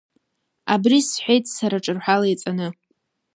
Абри сҳәеит сара ҿырҳәала иҵаны.